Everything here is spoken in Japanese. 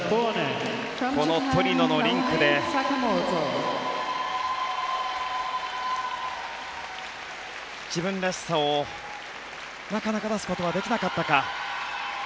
このトリノのリンクで自分らしさをなかなか出すことはできなかったか。